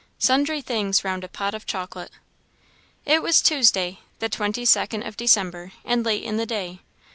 Sundry things round a pot of chocolate. It was Tuesday, the 22nd of December, and late in the day.